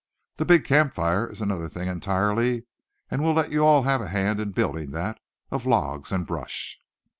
The big camp fire is another thing entirely, and we'll let you all have a hand in building that of logs and brush."